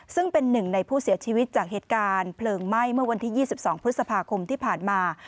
ซึ่งเป็นหนึ่งในผู้เสียชีวิตจากเหตุการณ์เพลิงไหม้เมื่อวันที่๒๒พฤษภาคมที่ผ่านมา